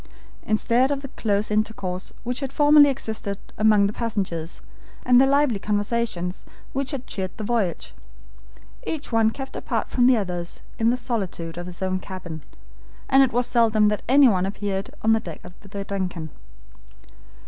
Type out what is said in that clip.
Instead of the close intercourse which had formerly existed among the passengers, and the lively conversations which had cheered the voyage, each one kept apart from the others in the solitude of his own cabin, and it was seldom that anyone appeared on the deck of the DUNCAN.